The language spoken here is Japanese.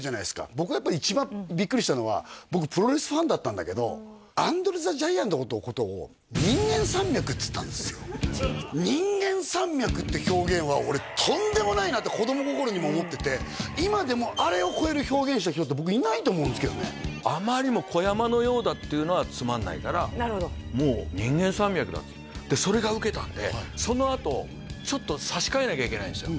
僕やっぱり一番ビックリしたのは僕プロレスファンだったんだけどアンドレ・ザ・ジャイアントのことを人間山脈って表現は俺とんでもないなって子供心にも思ってて今でもあまりにも「小山のようだ」っていうのはつまんないからもう「人間山脈だ」っつってでそれがウケたんでそのあとちょっと差し替えなきゃいけないんですよ